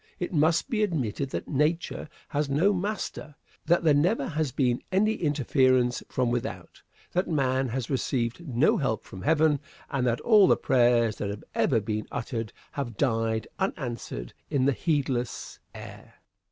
It must be admitted that Nature has no master; that there never has been any interference from without; that man has received no help from heaven; and that all the prayers that have ever been uttered have died unanswered in the heedless air.